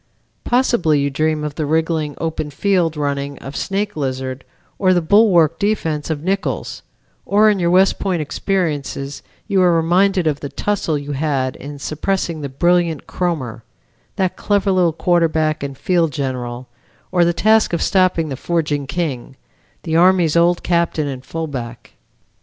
Possibly you dream of the wriggling open field running of Snake Izard, or the bulwark defense of Nichols; or in your West Point experiences you are reminded of the tussle you had in suppressing the brilliant Kromer, that clever little quarterback and field general, or the task of stopping the forging King, the Army's old captain and fullback.